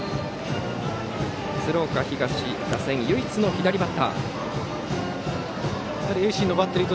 鶴岡東の打線唯一の左バッター。